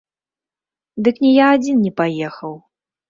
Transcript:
Дык не я адзін не паехаў.